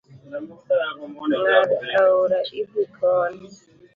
Ng’ad aora ibi koni.